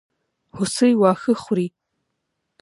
هوسۍ واښه خوري.